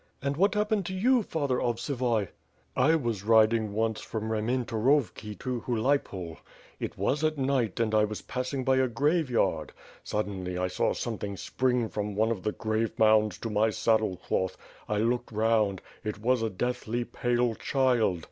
"And what happened to you, Father Ovsivuy?" "I was riding once from Reimentaxovki to Hulaypol. It was at night and I was passing by a graveyard. Suddenly, I saw something spring from one of the grave mounds to my saddle cloth. I looked round. It was a deathly pale child.